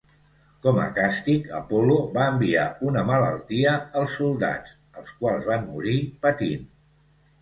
Com a càstig Apol·lo va enviar una malaltia als soldats, els quals van morir patint.